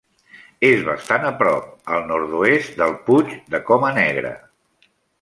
És bastant a prop al nord-oest del Puig de Coma Negra.